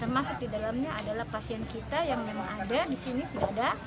termasuk di dalamnya adalah pasien kita yang memang ada di sini sudah ada